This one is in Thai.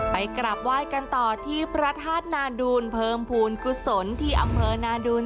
ไปกลับไหว้กันต่อที่พระธาตุนาดูลเพิ่มภูมิกุศลที่อำเภอนาดูล